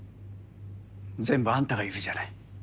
全部あんたが言うじゃない。